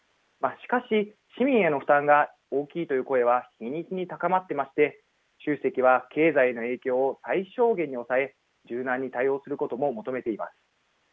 しかし、市民への負担が大きいという声は日に日に高まっていまして、習主席は経済への影響を最小限に抑え、柔軟に対応することも求めています。